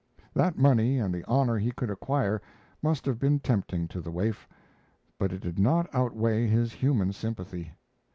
That money and the honor he could acquire must have been tempting to the waif, but it did not outweigh his human sympathy.